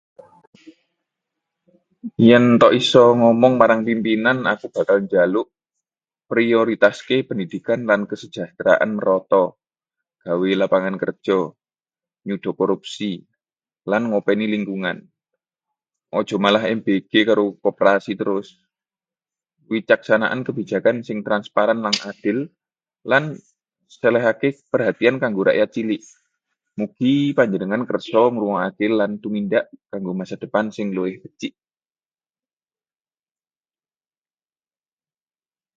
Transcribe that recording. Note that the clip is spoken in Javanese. Yen tak isa ngomong marang pimpinan, aku bakal njaluk: prioritasake pendidikan lan kesehatan merata, gawe lapangan kerja, nyuda korupsi, lan ngopeni lingkungan. Aja malah MBG karo Koprasi terus. Wicaksanen kebijakan sing transparan lan adil, lan selehake perhatian kanggo rakyat cilik. Mugi panjenengan kersa ngrungokna lan tumindak kanggo masa depan sing luwih becik.